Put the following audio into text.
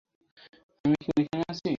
আমি কি ঐখানে আছি?